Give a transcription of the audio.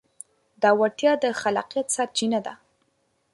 دا وړتیا د خلاقیت سرچینه ده.